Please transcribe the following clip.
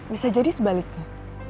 bisa jadi sebaliknya